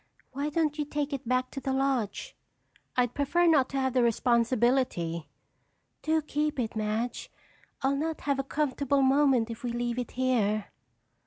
Why don't you take it back to the lodge?" "I'd prefer not to have the responsibility." "Do keep it, Madge. I'll not have a comfortable moment if we leave it here."